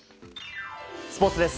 スポーツです。